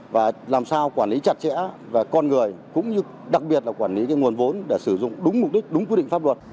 và làm sao quản lý chặt chẽ về con người cũng như đặc biệt là quản lý nguồn vốn để sử dụng đúng mục đích đúng quy định pháp luật